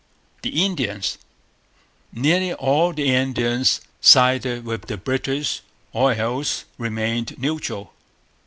The Indians. Nearly all the Indians sided with the British or else remained neutral.